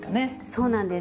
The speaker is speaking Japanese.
そうなんです。